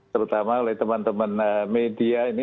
terutama oleh teman teman media ini